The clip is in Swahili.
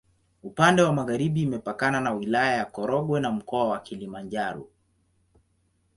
Upande wa magharibi imepakana na Wilaya ya Korogwe na Mkoa wa Kilimanjaro.